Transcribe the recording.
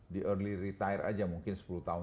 di early retire aja mungkin sepuluh tahun